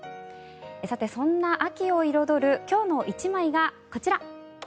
さて、そんな秋を彩る今日の１枚がこちら。